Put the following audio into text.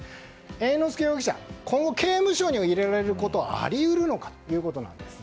猿之助容疑者、今後刑務所に入れられることはあり得るのかということなんです。